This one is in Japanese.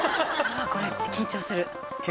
これ緊張する。